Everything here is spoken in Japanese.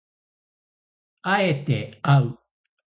敢えてあう